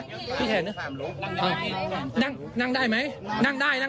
หนึ่งเข้าได้มันจะได้สบาย